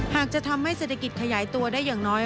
หากจะทำให้เศรษฐกิจขยายตัวได้อย่างน้อย